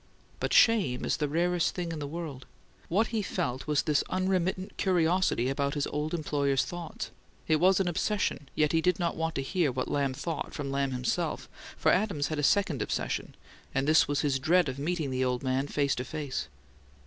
But shame is the rarest thing in the world: what he felt was this unremittent curiosity about his old employer's thoughts. It was an obsession, yet he did not want to hear what Lamb "thought" from Lamb himself, for Adams had a second obsession, and this was his dread of meeting the old man face to face.